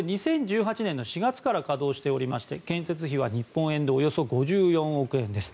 これ、２０１８年４月から稼働していまして建設費は日本円でおよそ５４億円です。